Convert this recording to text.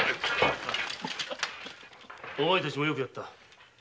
お前たちもよくやった。